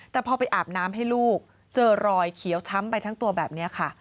แต่พอไปอาบน้ำให้ลูกเจอรอยเขียวช้ำไปทั้งตัวแบบนี้ค่ะ